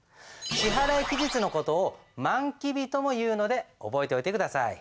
支払期日の事を満期日ともいうので覚えておいて下さい。